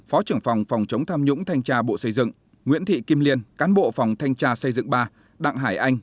phó trưởng phòng phòng chống tham nhũng thanh tra bộ xây dựng nguyễn thị kim liên cán bộ phòng thanh tra xây dựng ba đặng hải anh